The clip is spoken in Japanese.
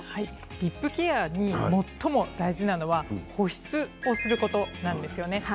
リップケアに最も大事なのが保湿をすることなんですよね。